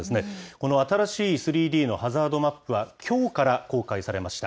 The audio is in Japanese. この新しい３Ｄのハザードマップは、きょうから公開されました。